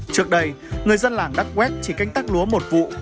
trước đây người dân làng đắc quét chỉ canh tác lúa một vụ